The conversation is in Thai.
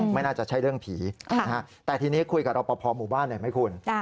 ไม่น่าจะใช่เรื่องผีแต่ทีนี้คุยกับรอปภหมู่บ้านหน่อยไหมคุณ